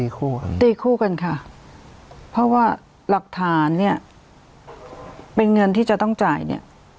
ตีคู่กันค่ะเพราะว่าหลักฐานเนี่ยเป็นเงินที่จะต้องจ่ายเนี่ย